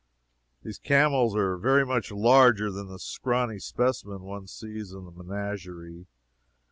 These camels are very much larger than the scrawny specimens one sees in the menagerie.